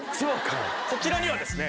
こちらにはですね